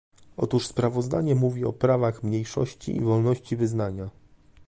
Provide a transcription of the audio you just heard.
otóż sprawozdanie mówi o prawach mniejszości i wolności wyznania